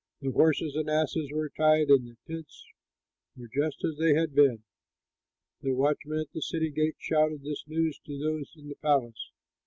The horses and asses were tied and the tents were just as they had been." The watchmen at the city gate shouted this news to those in the palace.